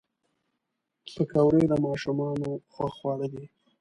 پکورې د ماشومانو خوښ خواړه دي